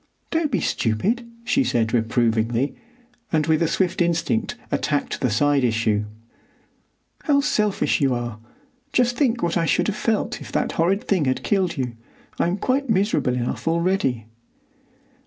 "Don't be stupid," she said reprovingly, and with swift instinct attacked the side issue. "How selfish you are! Just think what I should have felt if that horrid thing had killed you! I'm quite miserable enough already."